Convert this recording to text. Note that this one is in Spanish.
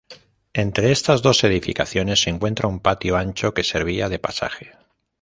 Entre estas dos edificaciones se encuentra un patio ancho que servía de pasaje.